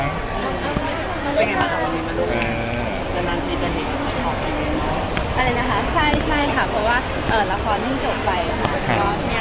อะไรนะคะใช่ใช่ค่ะเพราะว่า